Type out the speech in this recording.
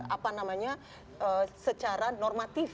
apa namanya secara normatif